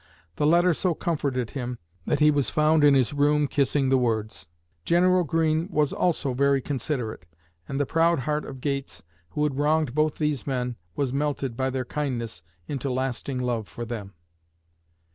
The letter so comforted him that he was found in his room kissing the words. General Greene was also very considerate, and the proud heart of Gates, who had wronged both these men, was melted, by their kindness, into lasting love for them.